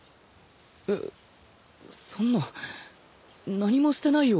えっそんな何もしてないよ